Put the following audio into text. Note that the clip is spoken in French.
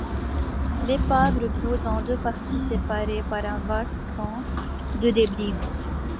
L'épave repose en deux parties séparées par un vaste champ de débris.